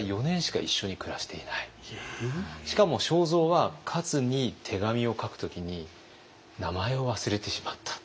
しかも正造はカツに手紙を書く時に名前を忘れてしまった。